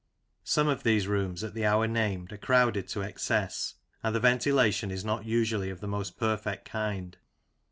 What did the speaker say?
Some of these rooms at the hour named are crowded to excess, and the ventilation is not usually of the most perfect kind.